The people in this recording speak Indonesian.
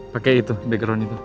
pake itu background itu